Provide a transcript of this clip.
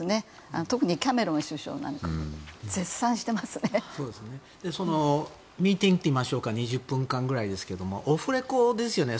特にキャメロン首相なんかはミーティングというか２０分間くらいですけれどもオフレコですよね。